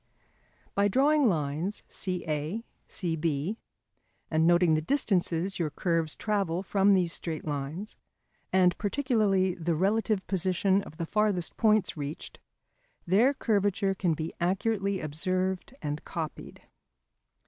By drawing lines CA, CB and noting the distances your curves travel from these straight lines, and particularly the relative position of the farthest points reached, their curvature can be accurately observed and copied.